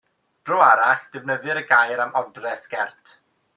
Dro arall, defnyddir y gair am odre sgert.